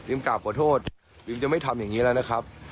กลับขอโทษอิมจะไม่ทำอย่างนี้แล้วนะครับ